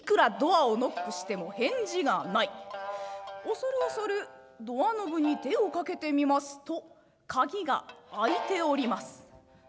恐る恐るドアノブに手をかけてみますと鍵が開いております。